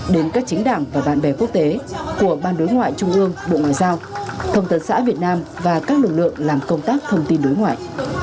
đến các chính đảng và bạn bè quốc tế của ban đối ngoại trung ương bộ ngoại giao thông tấn xã việt nam và các lực lượng làm công tác thông tin đối ngoại